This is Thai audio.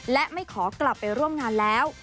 และไม่ขอกลับไปร่วมงานแล้ว